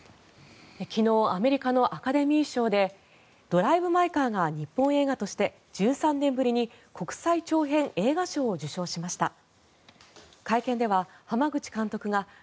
昨日アメリカのアカデミー賞で「ドライブ・マイ・カー」が日本映画として１３年ぶりに国際長編映画賞を受賞しました。